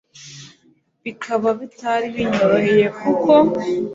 bikaba bitari binyoroheye kuko